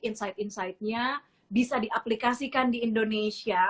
insight insightnya bisa diaplikasikan di indonesia